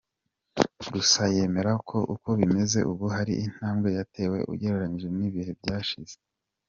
Gusa yemera ko uko bimeze ubu hari intambwe yatewe ugereranyije n’ibihe byashize.